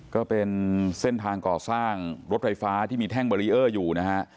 ก็เป็นเส้นทางก่อสร้างรถไฟฟ้าที่มีแท่งเบรีเออร์อยู่นะฮะ